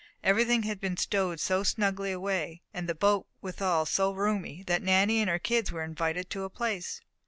Everything had been stowed so snugly away, and the boat was withal so roomy, that Nanny and her kids were invited to a place.